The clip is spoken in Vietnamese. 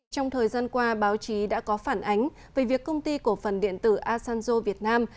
trong thời gian qua báo chí đã có phản ánh về việc công ty cổ phần điện tử asanzo việt nam